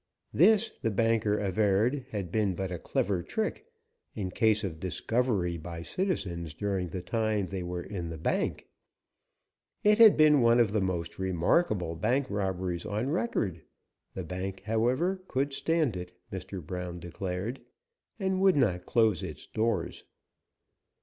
This, the banker averred, had been but a clever trick, in case of discovery by citizens during the time they were in the bank. It had been one of the most remarkable bank robberies on record. The bank, however, could stand it, Mr. Brown declared, and would not close its doors.